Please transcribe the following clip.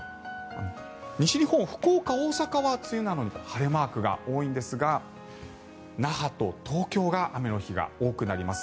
西日本福岡、大阪は梅雨なのに晴れマークが多いんですが那覇と東京が雨の日が多くなります。